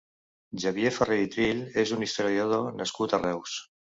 Xavier Ferré i Trill és un historiador nascut a Reus.